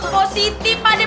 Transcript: positi pak de